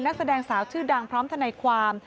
นักแสดงสาวชื่อดังพร้อมทนายความ